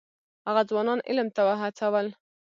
هغه ځوانان علم ته وهڅول.